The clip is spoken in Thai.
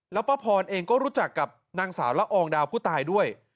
แล้วป้าพรเองก็รู้จักกับนางสาวละอองดาวผู้ตายด้วย